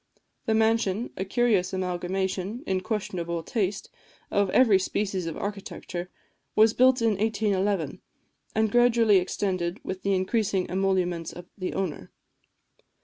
The mansion, a curious amalgamation, in questionable taste, of every species of architecture, was partly built in 1811, and gradually extended with the increasing emoluments of the owner.